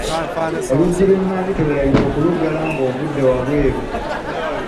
Oluggi lw'emmanju teweerabira okuluggala nga ovudde wabweru.